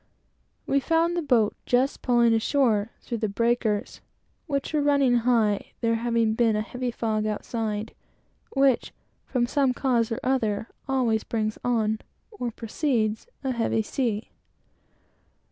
We found the boat just pulling ashore through the breakers, which were running high, there having been a heavy fog outside, which, from some cause or other, always brings on, or precedes a heavy sea.